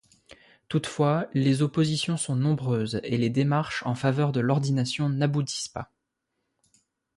Toutefois, les oppositions sont nombreuses et les démarches en faveur de l'ordination n'aboutissent pas.